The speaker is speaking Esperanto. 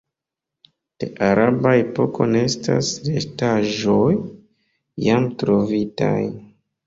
De araba epoko ne estas restaĵoj jam trovitaj.